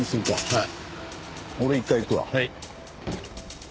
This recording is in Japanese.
はい。